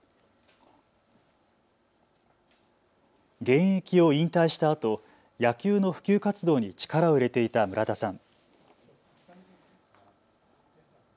現役を引退したあと、野球の普及活動に力を入れていた村田さん。